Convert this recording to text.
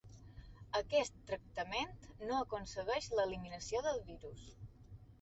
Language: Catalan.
Aquest tractament no aconsegueix l'eliminació del virus.